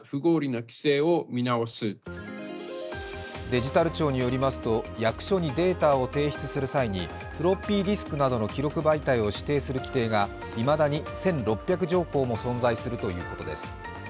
デジタル庁によりますと役所にデータを提出する際にフロッピーディスクなどの記録媒体を指定する規定がいまだに１６００条項も存在するということです。